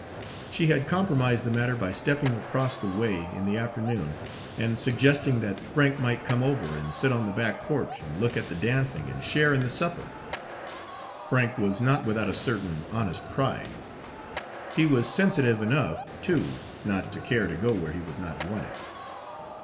She had compromised the matter by stepping across the way in the afternoon and suggesting that Frank might come over and sit on the back porch and look at the dancing and share in the supper. Frank was not without a certain honest pride. He was sensitive enough, too, not to care to go where he was not wanted.